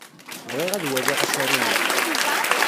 Bɣiɣ ad waliɣ asaru-nni.